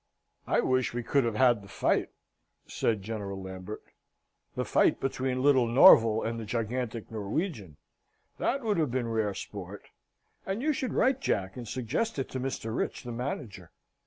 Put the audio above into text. "I wish we could have had the fight," said General Lambert, "the fight between little Norval and the gigantic Norwegian that would have been rare sport: and you should write, Jack, and suggest it to Mr. Rich, the manager."